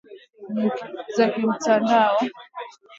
kufahamu kuruhusiwa ama la kwa sarafu za kimtandao